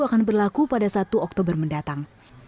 akan berlaku pada satu oktober mendatang